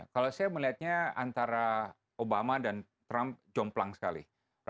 kalau saya melihatnya antara obama dan trump jomplang sekali